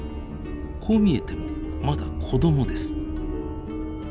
こう見えてもまだ子供です。